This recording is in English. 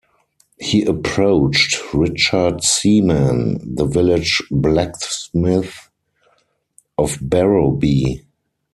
He approached Richard Seaman, the village blacksmith of Barrowby.